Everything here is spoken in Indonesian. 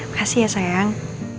kasih ya sayang